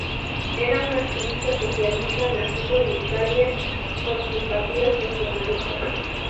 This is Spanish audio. Era un activista socialista nacido en Italia, con simpatías nacionalistas.